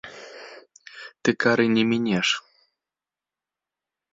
Ты кары не мінеш!